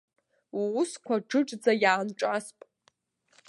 Уусқәагь џыџӡа иаанҿасп.